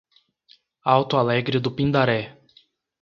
Alto Alegre do Pindaré